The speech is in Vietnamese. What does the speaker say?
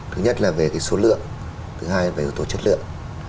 thứ nhất là về cái số lượng thứ hai là về ưu tố chất lượng